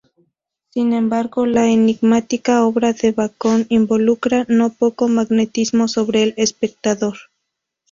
Sin embargo, la enigmática obra de Bacon involucra no poco magnetismo sobre el espectador.